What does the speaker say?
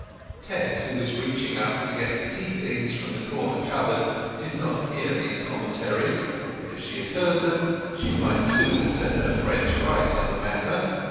Tess, who was reaching up to get the tea things from the corner cupboard, did not hear these commentaries. If she had heard them, she might soon have set her friends right on the matter.